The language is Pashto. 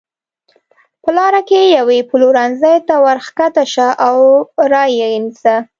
په لاره کې یوې پلورنځۍ ته ورکښته شه او را یې نیسه.